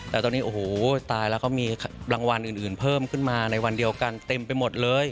แต่ตอนนี้โอ้โหตายแล้วก็มีรางวัลอื่นเพิ่มขึ้นมาในวันเดียวกันเต็มไปหมดเลย